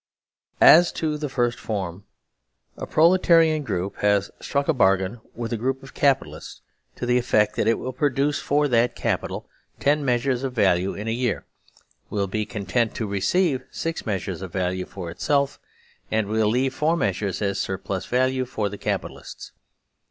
As to the first form : A Proletarian group has struck a bargain with a groupof Capitalists totheeffectthatitwill produce for that capital ten measures of value in a year, will be content to receive six measures of value for itself, and will leave four measures as surplus value for the Capi talists.